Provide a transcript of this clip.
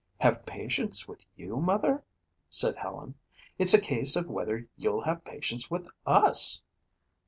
"Have patience with you, Mother?" said Helen. "It's a case of whether you'll have patience with us."